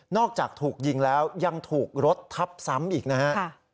อกจากถูกยิงแล้วยังถูกรถทับซ้ำอีกนะฮะ